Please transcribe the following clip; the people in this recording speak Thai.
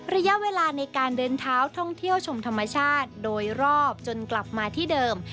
ระยะเวลาในการเดินเท้าท่องเที่ยวชมธรรมชาติโดยรอบจนกลับมาที่เดิม